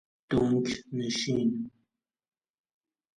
دنک نشین